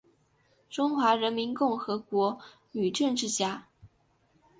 中华人民共和国女政治家。